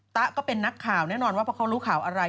๊ะก็เป็นนักข่าวแน่นอนว่าเพราะเขารู้ข่าวอะไร